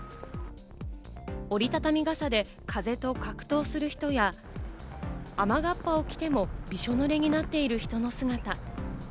折りたたみ傘で風と格闘する人や、雨がっぱを着てもびしょ濡れになっている人の姿。